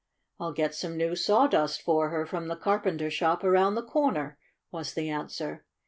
"Ill get some new sawdust for her from the carpenter shop around the corner," was the answer.